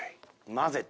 混ぜた。